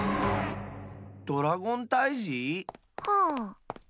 ドラゴンたいじ？はあ。